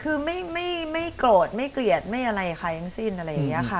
คือไม่โกรธไม่เกลียดไม่อะไรใครทั้งสิ้นอะไรอย่างนี้ค่ะ